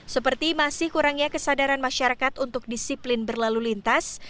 seperti masih kurangnya kesadaran masyarakat untuk disiplin berlalu lintas